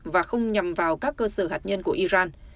và không nhằm vào các cơ sở hạt nhân của iran